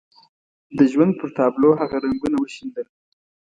د ژوند پر تابلو هغه رنګونه وشيندل.